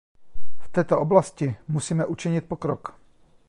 V této oblasti musíme učinit pokrok.